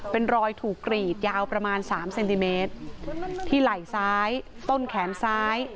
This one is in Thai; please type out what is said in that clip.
เป็นรอยถูกกรีดยาวประมาณสามเซนติเมตรที่ไหล่ซ้ายต้นแขนซ้าย